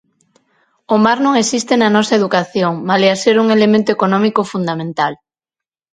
O mar non existe na nosa educación malia ser un elemento económico fundamental.